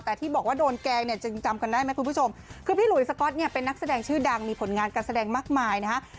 แต่ที่บอกว่าโดนแกล้งเนี่ยจึงจำกันได้ไหมคุณผู้ชมคือพี่หลุยสก๊อตเนี่ยเป็นนักแสดงชื่อดังมีผลงานการแสดงมากมายนะฮะ